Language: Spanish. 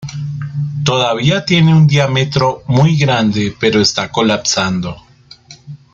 Todavía tiene un diámetro muy grande, pero está colapsando.